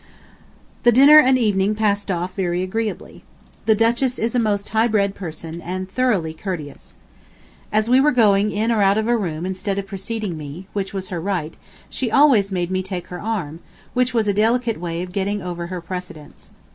The dinner and evening passed off very agreeably. The Duchess is a most high bred person, and thoroughly courteous. As we were going in or out of a room instead of preceding me, which was her right, she always made me take her arm, which was a delicate way of getting over her precedence.